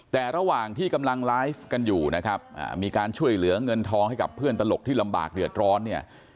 แต่ระหว่างที่กำลังไลฟ์กันอยู่นะครับมีการช่วยเหลือเงินทองให้กับเพื่อนตลกที่ลำบากเดือดร้อนเนี่ย